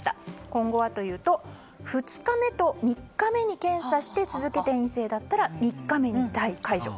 今後はというと２日目と３日目に検査して続けて陰性だったら３日目に待機解除。